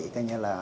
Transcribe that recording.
cái như là